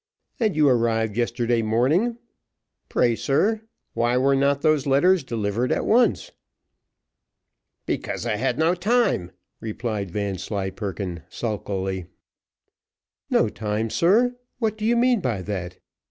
"And you arrived yesterday morning? Pray, sir, why were not those letters delivered at once?" "Because I had no time," replied Vanslyperken, sulkily. "No time, sir; what do you mean by that?